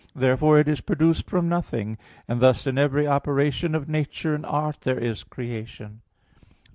Therefore it is produced from nothing; and thus in every operation of nature and art there is creation.